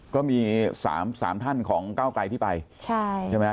ก็มี๓ท่านของเก้าไกรที่ไปใช่ไหมครับ